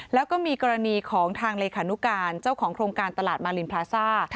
แล้วก็มีกรณีของทางเลขานุการเจ้าของโครงการตลาดมารินพลาซ่า